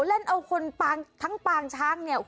แล้วเอาคนทั้งปางช้างเนี่ย